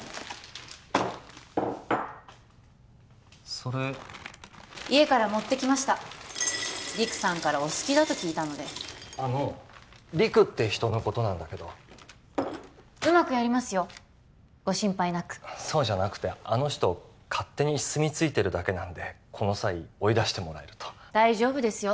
それ家から持ってきました陸さんからお好きだと聞いたのであの陸って人のことなんだけどうまくやりますよご心配なくそうじゃなくてあの人勝手に住みついてるだけなんでこの際追い出してもらえると大丈夫ですよ